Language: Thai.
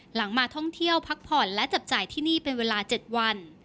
มาท่องเที่ยวพักผ่อนและจับจ่ายที่นี่เป็นเวลา๗วัน